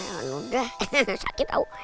gak mudah sakit au